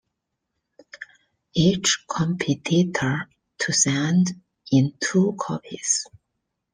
Each competitor to send in two copies.